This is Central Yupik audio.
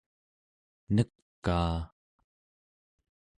nekaa